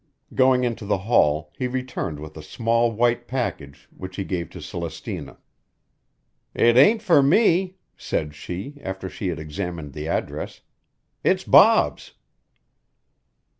Going into the hall he returned with a small white package which he gave to Celestina. "It ain't for me," said she, after she had examined the address. "It's Bob's."